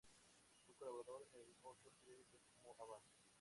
Fue colaborador en otros periódicos, como "Avant".